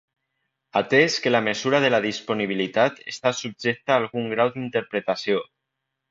Atès que la mesura de la disponibilitat està subjecta a algun grau d'interpretació.